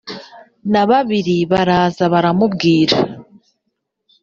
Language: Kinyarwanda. na babiri baraza baramubwira